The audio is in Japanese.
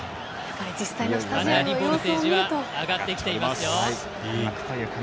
かなりボルテージは上がってきていますよ。